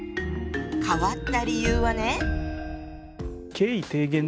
変わった理由はね。